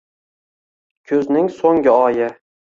Kuzning so`nggi oyi